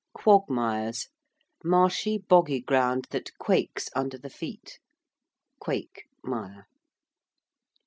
~quagmires~: marshy, boggy ground that quakes under the feet (quake, mire).